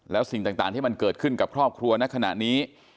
แล้วสิ่งต่างที่มันเกิดขึ้นกับครอบครัวในขณะนี้